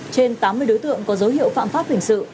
trên tám mươi đối tượng có dấu hiệu phạm pháp hình sự